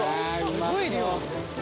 すごい量。